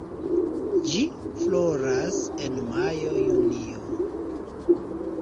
Ĝi floras en majo-junio.